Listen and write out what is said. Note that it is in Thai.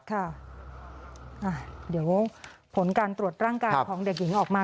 เดี๋ยวผลการตรวจร่างกายของเด็กหญิงออกมา